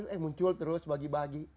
mau pilih muncul terus bagi bagi